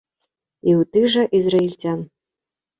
І ў тых жа ізраільцян.